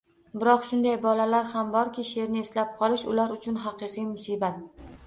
Biroq shunday bolalar ham borki, sheʼrni eslab qolish ular uchun haqiqiy musibat.